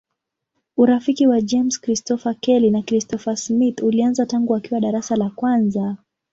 Urafiki wa James Christopher Kelly na Christopher Smith ulianza tangu wakiwa darasa la kwanza.